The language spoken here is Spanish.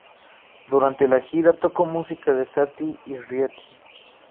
Durante la gira, tocó música de Satie y Rieti.